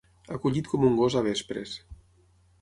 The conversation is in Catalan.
Acollit com un gos a vespres.